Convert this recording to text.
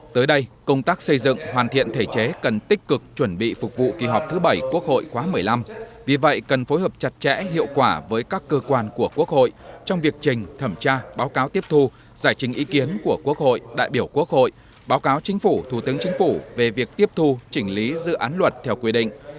tới đây công tác xây dựng hoàn thiện thể chế cần tích cực chuẩn bị phục vụ kỳ họp thứ bảy quốc hội khóa một mươi năm vì vậy cần phối hợp chặt chẽ hiệu quả với các cơ quan của quốc hội trong việc trình thẩm tra báo cáo tiếp thu giải trình ý kiến của quốc hội đại biểu quốc hội báo cáo chính phủ thủ tướng chính phủ về việc tiếp thu chỉnh lý dự án luật theo quy định